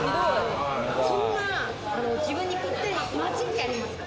そんな自分にぴったりな街ってありますか？